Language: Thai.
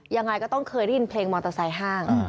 ยังไงก็ต้องเคยได้ยินเพลงมอเตอร์ไซค่าง